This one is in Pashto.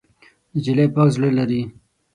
نجلۍ پاک زړه لري.